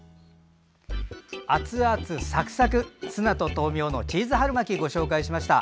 熱々サクサクツナと豆苗のチーズ春巻きをご紹介しました。